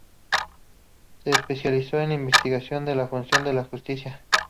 Se especializó en investigación del funcionamiento de la Justicia.